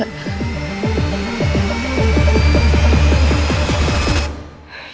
ya allah gimana ini